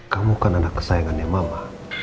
kamu kan anak kesayangannya mama